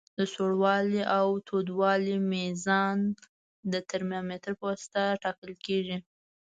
د سوړوالي او تودوالي میزان د ترمامتر پواسطه ټاکل کیږي.